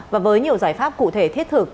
và với nhiều giải pháp cụ thể thiết thực